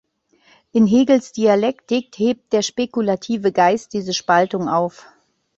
In Hegels Dialektik hebt der spekulative Geist diese Spaltung auf.